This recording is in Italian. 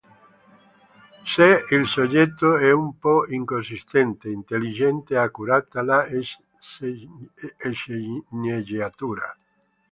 Se il soggetto è un po' inconsistente, intelligente e accurata la sceneggiatura.